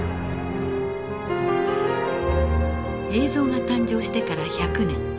映像が誕生してから１００年。